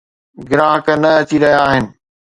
گراهڪ نه اچي رهيا آهن.